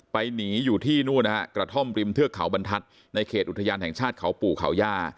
หนีอยู่ที่นู่นนะฮะกระท่อมริมเทือกเขาบรรทัศน์ในเขตอุทยานแห่งชาติเขาปู่เขาย่า